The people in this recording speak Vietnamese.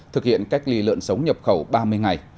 thực hiện cách ly lợn sống nhập khẩu ba mươi ngày